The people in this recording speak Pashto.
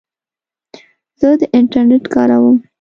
زه د انټرنیټ کاروم.